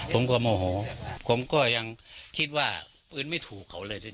ผมก็โมโหผมก็ยังคิดว่าปืนไม่ถูกเขาเลย